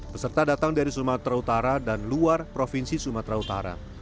peserta datang dari sumatera utara dan luar provinsi sumatera utara